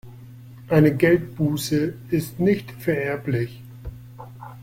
Eine Geldbuße ist nicht vererblich.